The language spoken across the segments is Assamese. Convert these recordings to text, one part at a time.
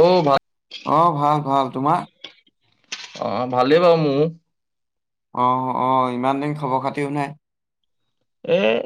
অহ, ভাল। অহ, ভাল -ভাল তোমাৰ? অহ, ভালেই বাৰ মোৰ। অহ - অহ ইমান দিন খবৰ খাতিও নাই। এ'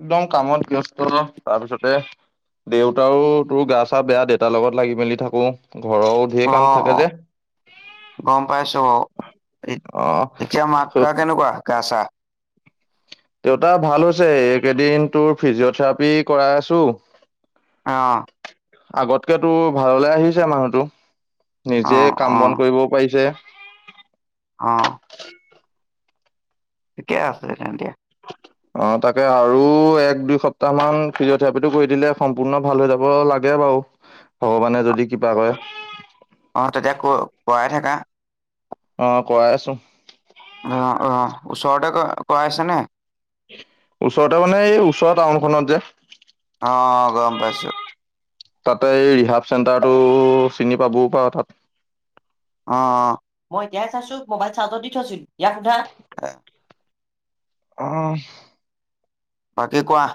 একদম কামত ব্যস্ত তাৰ পিছতে দেউতাও তোৰ গা চা বেয়া দেউতাৰ লগত লাগি মেলি থাকো। ঘৰৰো ঢেৰ কাম অহ থাকে - অহ যে গম পাইছো অহ অ' এতিয়া মাকা কেনেকুৱা গা চা? দেউতা ভাল হৈছে এইকেইদিন তোৰ ফিজিঅথেৰাপি কৰাই আছো অহ। আগতকেটো ভাললৈ আহিছে মানুহটো। নিজে অ', কাম-বন কৰিবও পাৰিছে। অহ ঠিকেই আছে তেন্তে। অহ, তাকে আৰু এক- দুই সপ্তাহ মান ফিজিঅথেৰাপিটো কৰি দিলে সম্পূৰ্ণ ভাল হৈ যাব লাগে বাৰু, ভগৱানে যদি কিপা কৰে। অঁ তেতিয়া কৰ- কৰাই থাকা। অঁ-কৰাই আছোং। অঁ ৰ'ওচৰতে ক কৰাই আছা ন'। ওচৰতে মানে, এই--ওচৰৰ টাউনখন'ত যে অঁ--অঁ গম পাইছো। তাতে, এই ৰিহাব চেণ্টাৰটো চিনি পাবও পাৰ, তাত অঁ, মই এতিয়া চাইছো, মোবাইল চাৰ্জত দি থৈছো। ইয়াক সোধা? অঁ--ইছ্‌ বাকী কোৱা?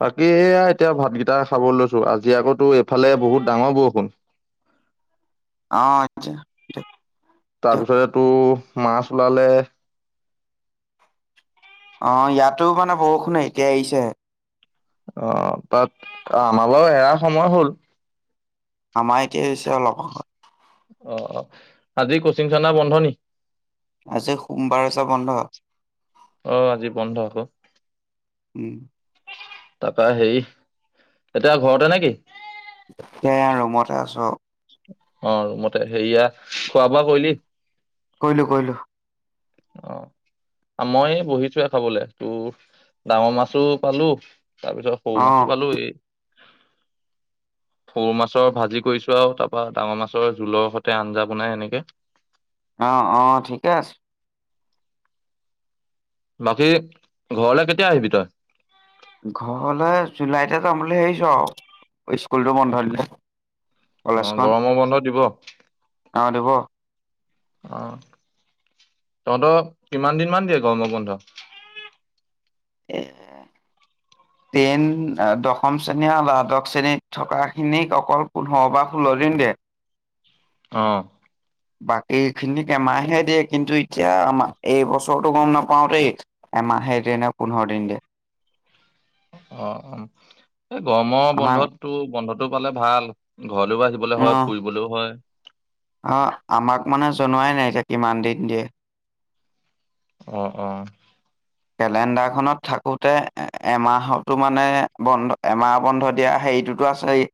বাকী এয়া, এতিয়া ভাতকেইটা খাব লৈছো, আজি আকৌটো এইফালে বহুত ডাঙৰ বৰষুণ। অঁ আচ্ছা তাৰপিছতেটো মাছ ওলালে অঁ ইয়াতো মানে বৰষুণ এতিয়া এয়িছেহে। [unintelligible] অঁ তাত আমালৈ এয়া সময় হ'ল। আমাৰ এতিয়া এয়িছে অলপ আগত। অঁ অঁ আজি কোচিং চেণ্টাৰ বন্ধ নি? আজি সোমবাৰ যে বন্ধ। অ আজি বন্ধ আকৌ ওঁ তাপা হেৰি এতিয়া ঘৰতে নেকি? এতিয়া ৰুমতে আছো। অ ৰুমতে সেইয়া, খোৱা- বোৱা কয়িলি? কয়িলো কয়িলো। অঁ আঁ মই' বহিছোৱে খাবলে টো ডাঙৰ মাছো' পালো। [unintelligible] তাৰপিছত সৰু মাছো অ'। পালো এই সৰু মাছৰ ভাজি কৰিছো আও তা অঁ ডাঙৰ মাছৰ ঝোলৰ সতে আঞ্জা বনাই এনেকে। অঁ অঁ ঠিকে আছে। বাকী, ঘৰলে কেতিয়া আহিবি তই? ঘৰলে জুলাইতে যাম বুলি ভাৱিছো আও, স্কুলটো বন্ধ দিলে। অঁ কলেজখন। গৰম বন্ধ দিব। অঁ, অ', দিব। তহঁতক কিমান দিন মান দিয়ে গৰম' বন্ধ? এ- টেন, দশম শ্ৰেণী, আঁ দ্বাদশ শ্ৰেণীত থকাখিনিক অকল পোন্ধ বা ষোল্ল দিন দিয়ে। অঁ বাকী খিনিক এমাহে দিয়ে, কিন্তু এতিয়া আমা- এইবছৰটো গম নাপাওঁ দেই এমাহে দিয়ে নে পোন্ধৰ দিন দিয়ে। অঁ অঁ, এ গৰম' আমাক বন্ধতটো বন্ধত তো ফালে ভাল? ঘৰলৈও আহিবলৈ হ'য়, অ', ফুৰিবলৈও হ'য়। অ', আমাক মানে জনোৱাই নাই এতিয়া কিমান দিন দিয়ে। আহ অ। কেলেণ্ডাৰখনত থাকোতে এমাহতো মানে বন্ধ এমাহ বন্ধ দিয়া হেৰিটোত আছেই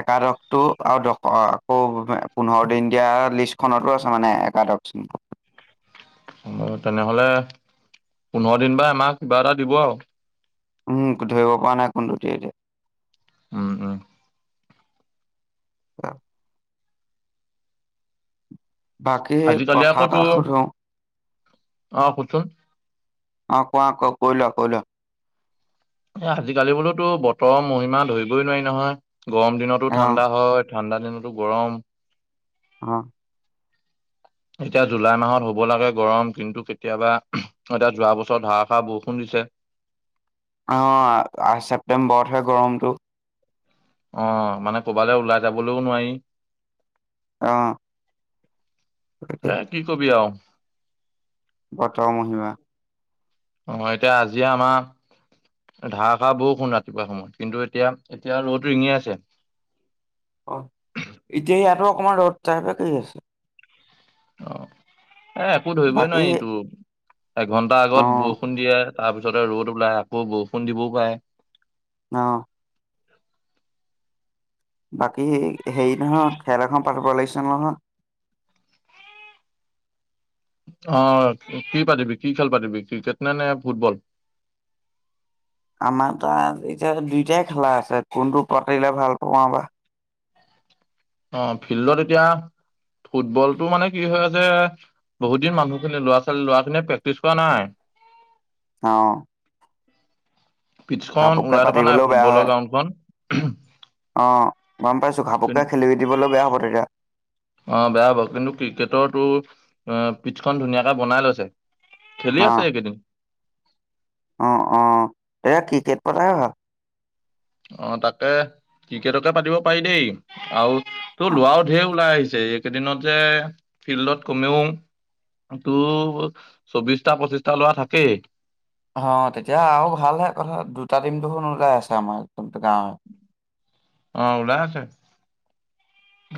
একাদশটো আৰু আকৌ পোন্ধৰ দিন দিয়া লিষ্টখনতো আছে মানে একাদশ চ তেনেহলে পোন্ধৰদিন বা এমাহ কিবা এটা দিব আৰু। উম ধৰিব পৰা নাই কোনতো দি‌য়ে এতিয়া। উম উম। অ বাকী আজিকালি কথা এটা আকৌতো সুধো আহ শুনচোন। অ কোৱা ক কৈইলোৱা কৈইলোৱা। এ আজিকালি বোলোতো বতৰ মোহিমা ধৰিবইনোৱাৰি নহয়। গৰম দিনতো ঠাণ্ডা অহ হয়। ঠাণ্ডা দিনতো গৰম। অহ। এতিয়া জুলাইমাহত হব লাগে গৰম কিন্তুকেতিয়াবা এতিয়া যোৱা বছৰত ধাৰষাৰ বৰষুণ দিছে। অ ছেপ্তেম্বৰতহে গৰমটো। অ মানে ক'বালৈ ওলাই যাবলৈও নোৱাৰি। অহ। হ কি কবি আও। বতৰ মহিমা। অ এতিয়া আজি আমাৰ ধাৰষাৰ বৰষুণ ৰাতিপুৱা সময়ত কিন্তু এতিয়া এতিয়া ৰ'দ ৰিঙি আছে। অ এতিয়া ইয়াৰপৰা অকমান ৰ'দ তাপা কৰি আছে। অ। এ একো ধৰিবই নহ বাকী এইটো। এঘণ্টা অ আগত বৰষুণ দিয়ে। তাৰপিছতে ৰ'দ ওলাই, আকৌ বৰষুণ দিবও পাৰে। অহ। [unintelligible] বাকী হেৰি নহয় খেল এখন পতিব লাগিছে নহয়। অ কি পাতিবি কি খেল পাতিবি ক্ৰিকেট নে নে ফুটবল। আমাৰ তাত এতিয়া দুইটাই খেলাই আছে কোনটো পাতিলে ভাল পা বা? অ ফিল্ডত এতিয়া ফুটবলতটো মানে কি হয় যে বহুত দিন মানুহখিনি লৰা ছোৱালী লৰা খিনিয়ে প্ৰেক্টিছ কৰা নাই। অ। পিটখন ওলাই থকা নাই পাতিবলৈও বেয়া হয় ফুটবলৰ গ্ৰাউণ্ডখন? উম। অ। গম পাইছোঁ ঘাপকে খেলি দিবলৈ বেয়া হ'ব তেতিয়া। অ বেয়া হব কিন্তু ক্ৰিকেটৰ তো অ পিঠখন ধুনীয়াকে বনাই লৈছে। খেলি অ', আছে এইকেইদিন। অ অ এয়া ক্ৰিকেট পতা ভাল। আহ তাকে ক্ৰিকেটকে পাতিব পাৰি দেই আৰু তোৰ লৰাও ঢেৰ ওলাই আহিছে এইকেইদিনত যে ফিল্ডত কমেও তোৰো চৌবিশটা পঁচিশটা লৰা থাকেই। অ তেতিয়া আৰু ভালহে কথা দুটা দিন ওলাই আছে আমাৰ একদম গাঁৱে। অ ওলাই আছে।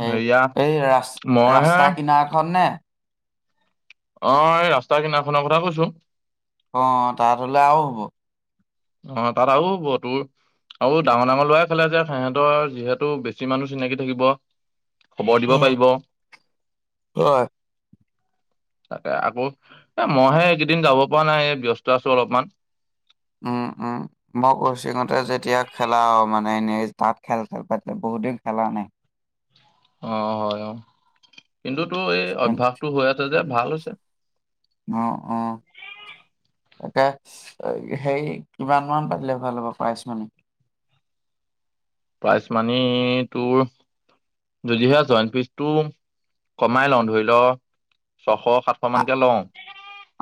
এই হেয়া এই ৰা মইহে ৰাস্তা কিনাৰখন নে? অ এই ৰাস্তা কিনাৰখনৰ কথা কৈছোঁ। অ তাত হলে আৰু হ'ব। ঢ় অ তাত আৰু হ'ব তোৰ আৰু ডাঙৰ ডাঙৰ লৰায়ে খেলে যে, সিহঁতৰ যিহেতু বেছি মানুহ চিনাকি থাকিব। খবৰ দিব পাৰিব। হয়। তাকে আকৌ এ মইহে এইকেইদিন যাব পৰা নাই ব্যস্ত আছো অলপমান। উম উম মই কচিঙতে যেতিয়া খেলা মানে এনেই তাত খেল-খেল পাতিলে বহুত দিন খেলা নাই। আহ হয় অ। কিন্তুটো এই অভ্যাসটো হৈ আছে। ভাল হৈছে। অ অ তাকে সেই কিমান মান পাতিলে ভাল হ'ব প্ৰাইজ মানি। [unintelligible] প্ৰাইজ মানি তোৰ যদিহে জইণ্ট ফিজটো কমাই লওঁ ধৰি লও- ছশ সাতশ মানকে লওঁ।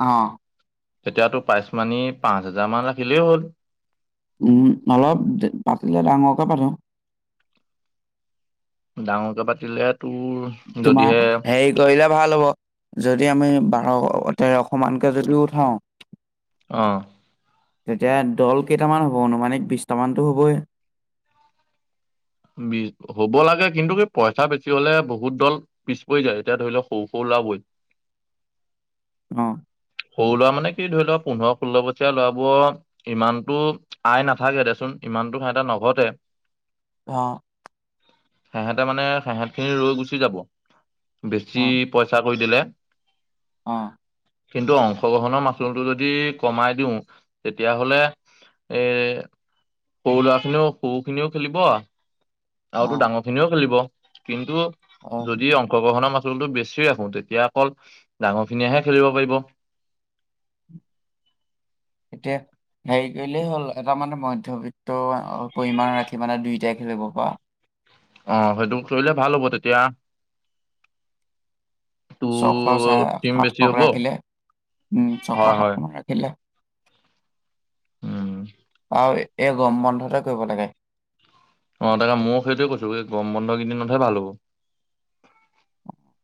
অ', প্ৰাইজ মানি পাঁচ হাজাৰ মান ৰাখিলেই হ'ল। উম অলপ পাতিলে ডাঙৰকে পাটো। ডাঙৰকে পাতিলে- তোৰ তোমাৰ যদিহে হেৰি কৰিলে ভাল হ'ব, যদি আমি বাৰ- অ তেৰশ মানকে যদিও উঠাওঁ- অহ। তেতিয়া দল কেইটামান হ'ব অনুুমানিক বিশটামানটো হ'বই। বি হ'ব লাগে কিন্তু কি পইচা বেছি হলে বহুত দল পিছ পৰি যায়। এতিয়া ধৰি লও সৰু সৰু ওলাবই। অ। সৰু ল'ৰা মানে কি ধৰি লও পোন্ধৰ ষোল্ল বছীয়া লৰাবোৰৰ ইমানতো আয় নাথাকে দে চোন ইমানতো খা এটা নঘটে। [unintelligible] অহ। সেহেঁতে মানে সেহঁতখিনি ৰৈ গুচি যাব। [unintelligible] বেছি অ', পইচা কৰি দিলে। অ। কিন্তু অংশগ্ৰহণৰ মাচুলটো যদি কমাই দিওঁ তেতিয়াহলে এ সৰু ল'ৰা খিনিও সৰু খিনিও খেলিব- [unintelligible] আৰুতো অ', ডাঙৰ খিনিও খেলিব। কিন্তু অ'। যদি অংশগ্ৰহণৰ মাচুল- টো বেচি ৰাখো তেতিয়া অকল ডাঙৰ খিনিয়েহে খেলিব পাৰিব। এতিয়া হেৰি কৰিলেই হ'ল এটা মানে মধ্যবিত্ত পৰিমাণৰ ৰাখি মানে দুইটাই খেলিব পৰা। [unintelligible] আহ সেইটো কৰিলে ভাল হ'ব তেতিয়া- ছশ তোৰ চাই টিম বেছি সাতশক হ'ব ৰাখিলে উম ছশ হয় হয় সাতশনমান ৰাখিলে- [unintelligible] উম। আৰু এই গৰম বন্ধতে কৰিব লাগে। অ তাকে মইও সেইটোৱে কৈছো এই গৰম বন্ধ কেইদিনতহে ভাল হ'ব।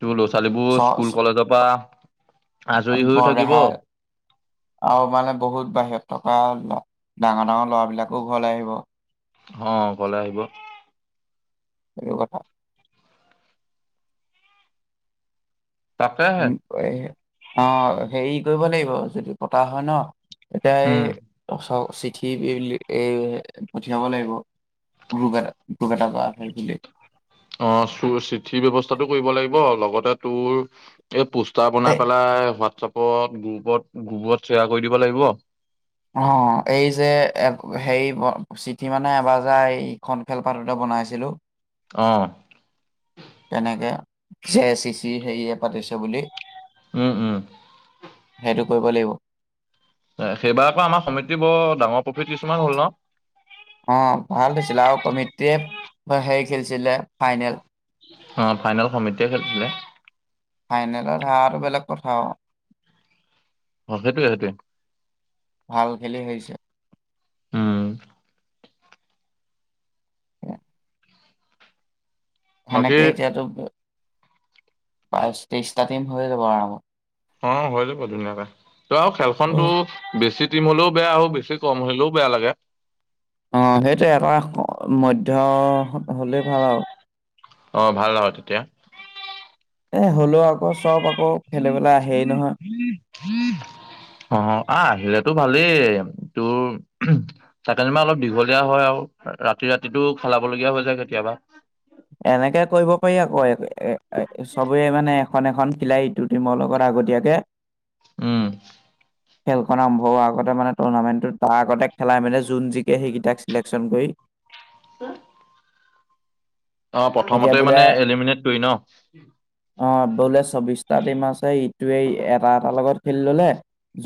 তোৰ ল'ৰা ছ ছোৱালীবোৰ স্কুল ছ- কলেজৰ পৰা- আজৰি হৈও থাকিব ৰেহাই আৰু মানে বহুত বাহিৰত টকা ল। [unintelligible] ডাঙৰ ডাঙৰ লৰাবিলাকো ঘৰলৈ আহিব। অ ঘলে আহিব। লাগিব ক। [unintelligible] তাকেহে উম এ। অ হেৰি কৰিব লাগিব যদি পতা হয় ন। এতিয়াই এই উম দচক। চিঠি এ পঠিয়াব লাগিব গুপ এটাত অ চু চিঠি ব্যৱস্থাটো কৰিব লাগ- লগতে তোৰ এই পুছ- তা বনাই এই পেলাই হোৱাটছআপ। গুপত গুপত গুবত শ্বেয়াৰ কৰি দিব লাগিব। অ এই যে হে চিঠি মানে এবাৰ যাৰ এইখন খেলপাততে বনাইছিলো। অ তেনেকে জে চি চি হেয়ে পাতিছে বুলি। উম উম। সেইটো কৰিব লাগিব। সেইবাৰ আকৌ আমাৰ সমিতি বৰ ডাঙৰ প্ৰফিট কিছুমান হ'ল ন। অ ভাল হৈছিলে আৰু কমিটেয়ে হেৰি খেলিছিলে ফাইনেল। অ ফাইনেল সমিতিয়ে খেলিছিলে। ফাইনেলত হৰা বেলেগ কথা আও অ সেইটোৱে সেইটোৱে ভাল খেলি হাৰিছে। উম। সেনেকে বাকী এতিয়াটো বাইশ তেইছটা দিম হৈ যাব আৰামত। অ হৈ যাব ধুনীয়াকে ত আৰু খেলখনতো অ', বেছিত ট্ৰিম হলেও বেয়া, বেছি কম হলেও বেয়া লাগে। অ সেইটো এটা মধ্য হলেই ভাল আও অ ভাল হয় তেতিয়া। এই ষোল্ল আগষ্ট চব আকৌ খেলিবলৈ আহেই নহয়। অ আহ আহিলেতো ভালেই তোৰ চাকেলমা অলপ দীঘলীয়া হয় আৰু ৰাতি ৰাতিটো খেলাবলগীয়া হৈ যায় কেতিয়াবা। এনেকে কৰিব পাৰি আকৌ এ চবৰে মানে এখন এখন। খিলাহীটোত। টিম লগত আগতীয়াকে। উম খেলখন আৰম্ভ আগতে মানে টুৰ্ণামেণ্টটো তাত। আগতে খেলাই মানে যোন জিকে সেইকেইটাক। চিলেকশ্যন কৰি। বা এতিয়া বোলে এলিমিনেট কৰি ন অহ বোলে চৌবিশটা টিম আছে ইটোৱে এটা এটাৰ লগত খেলি ল'লে।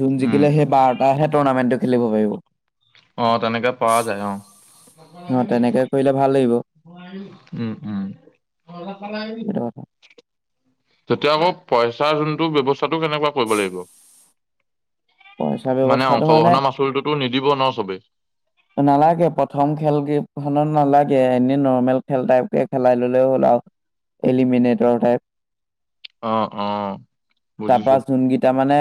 যোন উম জিকিলে সেই বাৰটা হে টৰ্নামেণ্টটোত খেলিব পাৰিব অ তেনেকে পোৱা যায় অহ অ তেনেকে কৰিলে ভাল লাগিব হয় [inaudible] উম উম সেইটো কথা তেতিয়া আকৌ পইচাৰ যোনটো ব্যৱস্থাটো কেনেকুৱা কৰিব লাগিব। পইচা মানে ব্যৱস্থাটো অংশগ্ৰহণৰ মাচুলটোতো নিদিব ন চবেই নালাগে প্ৰথম খেলকেখনত নালাগে এনেই নৰ্মেল খেল টাইপকে খেলাই ললে হ'ল আৰু এলিমিনেটৰ টাইপ অ', অ', বুজিছো তাৰপৰা যোনকেইটা মানে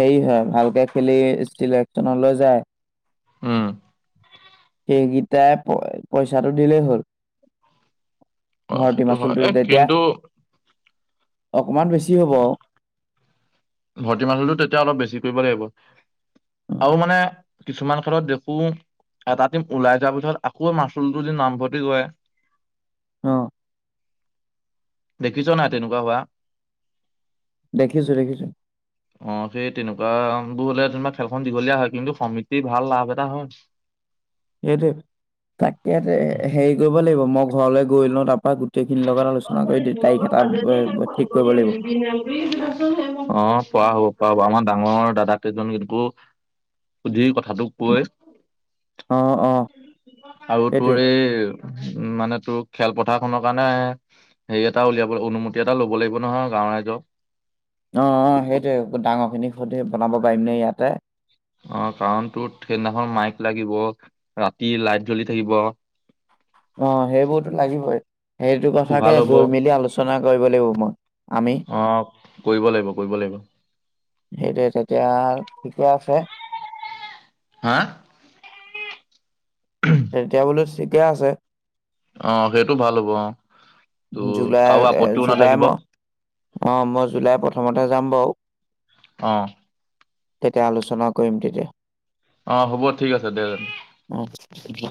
হেৰি হয় ভালকে খেলি চিলেকচনলৈ যায় উম এইকেইটাই প পইচাটো দিলেই হ'ল অ ভৰ্তি সেইটো হয় মাচুলটো এ কিন্তু অকণমান বেছি হ'ব ভৰ্তি মানে টো তেতিয়া অলপ বেছি কৰিব লাগিব আৰু মানে কিছুমান খেলত দেখো এটা টিম ওলাই যোৱাৰ পিছত আকৌ মাচুলটোতে নামভৰ্তি কৰে। অ দেখিছ নাই তেনেকুৱা হোৱা। দেখিছো দেখিছো। অ সেই তেনেকুৱা বোৰ হলে তোমাৰ খেলখন দীঘলীয়া হয় কিন্তু সমিতি ভাল লাভ এটা হয় সেইটো তাকেতে হেৰি কৰিব লাগিব মই ঘৰলৈ গৈ লৈওঁ তাৰপাৰ গোটেই অ ঠিক কৰিব লাগিব পোৱা হব পোৱা হব আমাৰ [unintelligible] ডাঙৰ দাদাক কেইজন কিন্তু সুধি কথা কথাটো কৈ অ অ আৰু সেইটোৱে তোৰ এই উ মানে তোৰ খেলপথাৰখনৰ কাৰণে হেৰি এটা উলিয়াব অনুমতি এটা লব লাগিব নহয় গাওঁ ৰাইজক অ সেইটোয়ে ডাঙৰ খিনি সুধি বনাব পাৰিমনে ইয়াতে অ কাৰণ তো সেইদিনাখন মাইক লাগিব ৰাতি লাইট জ্বলি থাকিব অ সেইবোৰতো লাগিবই সেইটো কথাকে কোহাল গৈ মেলি আলোচনা কৰিব লাগিব মই আমি অঁ কৰিব লাগিব, কৰিব লাগিব। সেইটোৱে। তেতিয়া ঠিকে আছে। হাঁ থিকে আছে। অঁ সেইটো ভাল হ'ব। অঁ। জুলাই, এ' জুলাই মাহত। অঁ মই জুলাই প্ৰথমতে যাম বাও অ তেতিয়া, আলোচনা কৰিম তেতিয়া। অঁ হ'ব ঠিক আছে দে অ